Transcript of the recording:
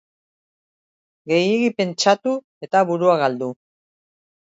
Gehiegi pentsatu eta burua galdu